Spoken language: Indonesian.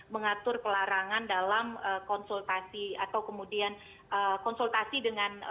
mengatur kelarangan dalam keputusan